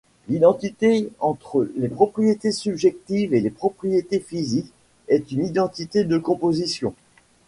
L'identité entre les propriétés subjectives et les propriétés physiques est une identité de composition.